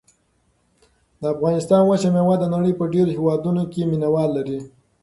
د افغانستان وچه مېوه د نړۍ په ډېرو هېوادونو کې مینه وال لري.